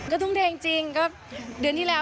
ก็ทุ่มเทจริงก็เดือนที่แล้ว